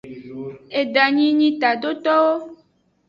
Edanyi nyi tadotowo.